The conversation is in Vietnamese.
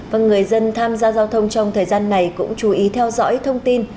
vâng người dân tham gia giao thông trong thời gian này cũng chú ý theo dõi thông tin